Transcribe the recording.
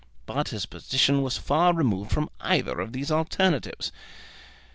But his position was far removed from either of these alternatives.